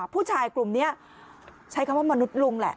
ผู้ชายกลุ่มนี้ใช้คำว่ามนุษย์ลุงแหละ